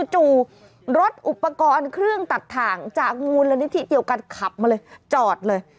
จู่รถอุปกรณ์เครื่องตัดถ่างจากมูลนิธิเดียวกันขับมาเลยจอดเลย